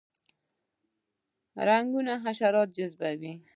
رنګونه حشرات جذبوي